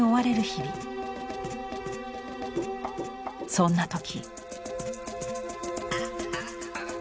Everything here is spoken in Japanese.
そんな時。